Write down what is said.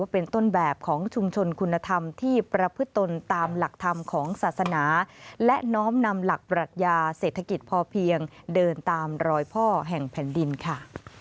ปรัชญาเศรษฐกิจพอเพียงเดินตามรอยพ่อแห่งแผ่นดินค่ะ